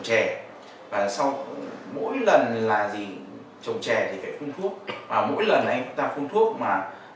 chè và sau mỗi lần là gì trồng chè thì phải phun thuốc và mỗi lần anh chúng ta phun thuốc mà